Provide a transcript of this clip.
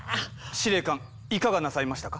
司令官いかがなさいましたか？